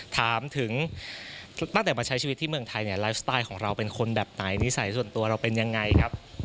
ถามถึงตั้งแต่มาใช้ชีวิตที่เมืองไทยเนี่ยไลฟ์สไตล์ของเราเป็นคนแบบไหนนิสัยส่วนตัวเราเป็นยังไงครับ